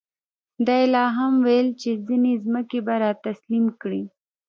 دا یې لا هم ویل چې ځینې ځمکې به را تسلیم کړي.